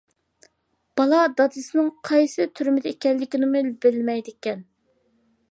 بالا دادىسىنىڭ قايسى تۈرمىدە ئىكەنلىكىنىمۇ بىلمەيدىكەن.